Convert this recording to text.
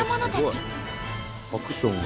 アクションが。